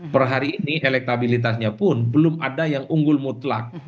per hari ini elektabilitasnya pun belum ada yang unggul mutlak